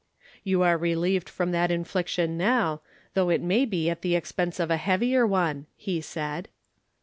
" You are relieved from that infliction now, though it may be at the expense of a heavier one !" he said.